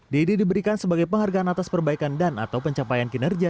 deddy diberikan sebagai penghargaan atas perbaikan dan atau pencapaian kinerja